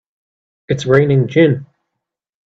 It's raining gin!